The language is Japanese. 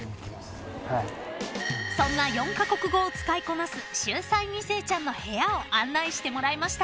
［そんな４カ国語を使いこなす秀才２世ちゃんの部屋を案内してもらいました］